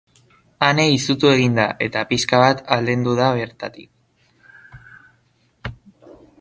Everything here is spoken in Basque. Ane izutu egin da, eta pixka bat aldendu da bertatik.